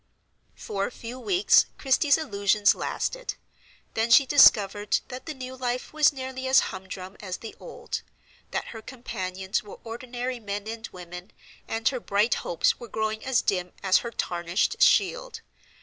For a few weeks Christie's illusions lasted; then she discovered that the new life was nearly as humdrum as the old, that her companions were ordinary men and women, and her bright hopes were growing as dim as her tarnished shield.